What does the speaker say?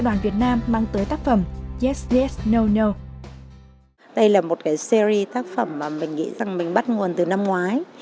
đây là một cái series tác phẩm mà mình nghĩ rằng mình bắt nguồn từ năm ngoái